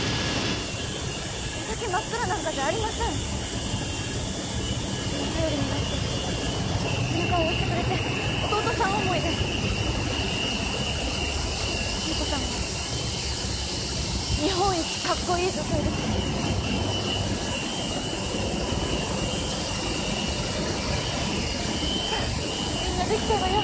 お先真っ暗なんかじゃありませんいつも頼りになって背中を押してくれて弟さん思いで流子さんは日本一かっこいい女性です七子ちゃんさあみんなできたわよ